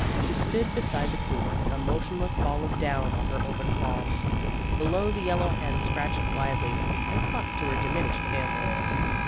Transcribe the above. She stood beside the coop, a motionless ball of down on her open palm. Below the yellow hen scratched blithely and clucked to her diminished family.